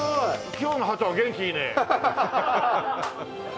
今日のハトは元気いいねえ。